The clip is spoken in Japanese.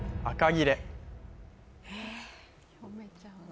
えっ読めちゃうの？